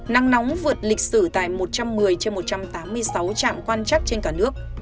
nắng nóng vượt lịch sử tại một trăm một mươi trên một trăm tám mươi sáu trạm quan chắc trên cả nước